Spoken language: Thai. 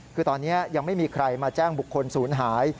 คือตอนนี้ยังไม่มีใครมาแจ้งบุคคลศูนย์หาย